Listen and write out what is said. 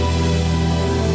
mungkin dia akan menemukan